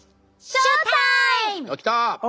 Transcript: ショータイム！